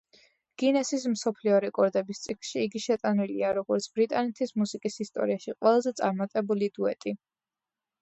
გინესის მსოფლიო რეკორდების წიგნში იგი შეტანილია, როგორც ბრიტანეთის მუსიკის ისტორიაში ყველაზე წარმატებული დუეტი.